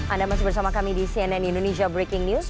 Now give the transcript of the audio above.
anda masih bersama kami di cnn indonesia breaking news